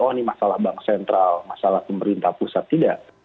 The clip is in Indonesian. oh ini masalah bank sentral masalah pemerintah pusat tidak